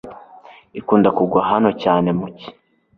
Ikunda kugwa hano cyane mu cyi.